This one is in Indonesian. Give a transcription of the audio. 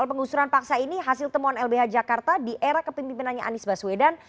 penggusuran paksa ini hasil temuan lbh jakarta di era kepemimpinannya anies baswedan